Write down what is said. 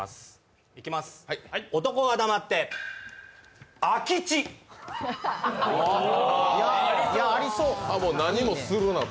男は黙って何もするなと。